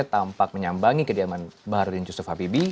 tampak menyambangi kediaman pak harudin yusuf habibi